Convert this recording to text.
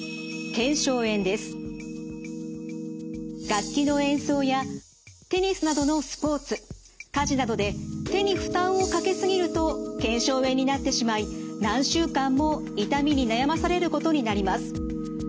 楽器の演奏やテニスなどのスポーツ家事などで手に負担をかけ過ぎると腱鞘炎になってしまい何週間も痛みに悩まされることになります。